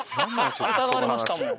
疑われましたもん。